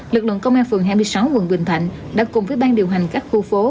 lực lượng công an phường hai mươi sáu quận bình thạnh đã cùng với ban điều hành các khu phố